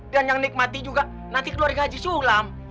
dan yang nikmati juga nanti keluarga haji sulam